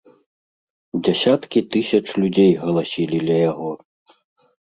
Дзясяткі тысяч людзей галасілі ля яго.